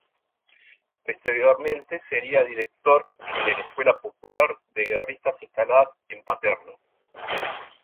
Posteriormente sería director de la Escuela Popular de Guerra instalada en Paterna.